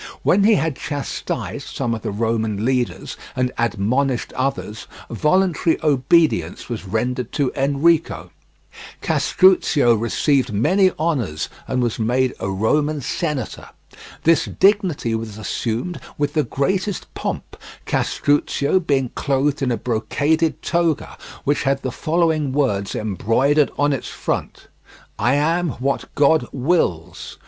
When he had chastised some of the Roman leaders, and admonished others, voluntary obedience was rendered to Enrico. Castruccio received many honours, and was made a Roman senator. This dignity was assumed with the greatest pomp, Castruccio being clothed in a brocaded toga, which had the following words embroidered on its front: "I am what God wills."